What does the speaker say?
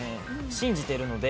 信じているので。